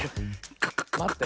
まって。